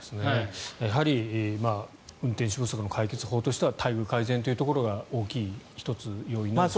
やはり運転手不足の解決法としては待遇改善というのが１つの要因になっていると。